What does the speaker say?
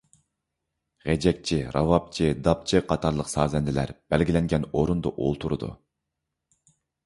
غېجەكچى، راۋابچى، داپچى قاتارلىق سازەندىلەر بەلگىلەنگەن ئورۇندا ئولتۇرىدۇ.